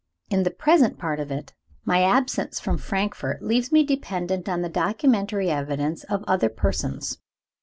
In the present part of it, my absence from Frankfort leaves me dependent on the documentary evidence of other persons.